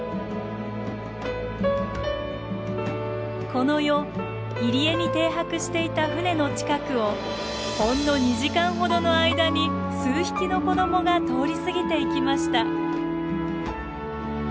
この夜入り江に停泊していた船の近くをほんの２時間ほどの間に数匹の子供が通り過ぎていきました。